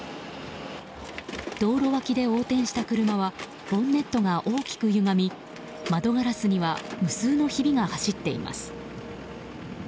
道路脇で横転した車はボンネットが大きくゆがみ窓ガラスには無数のひびが走っています。